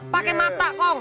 pakai mata kong